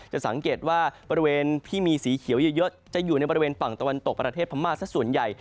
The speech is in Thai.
จะสังเกตว่าบริเวณที่มีสีเขียวเยอะจะอยู่ในบริเวณฝั่งตะวันตกประเทศพม่าสักส่วนใหญ่